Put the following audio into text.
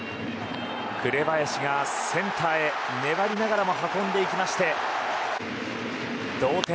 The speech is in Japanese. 紅林がセンターへ、粘りながらも運んでいきまして同点。